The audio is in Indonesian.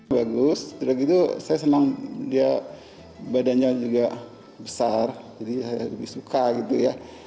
bagus saya senang dia badannya juga besar jadi lebih suka gitu ya